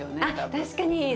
あっ確かに。